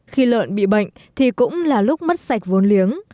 khi lợn bị bệnh thì cũng là lúc mất sạch vốn liếng